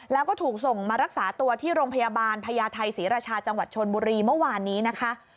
แล้วก็ถูกส่งมารักษาตัวที่โรงพยาบาลพญาไทยศรีราชาจังหวัดชนบุรีเมื่อวานนี้นะคะ